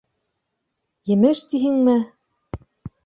— Емеш, тиһеңме!